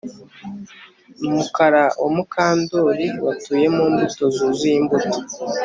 Mukara na Mukandoli batuye mu mbuto zuzuye imbuto